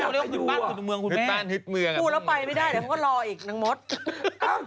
อย่าไปดูหว่ะพี่แม่พูดแล้วไปไม่ได้เดี๋ยวเขาก็รออีกน้องมศ